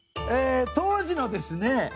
え当時のですね